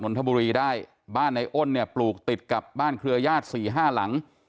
นทบุรีได้บ้านในอ้นเนี่ยปลูกติดกับบ้านเครือญาติสี่ห้าหลัง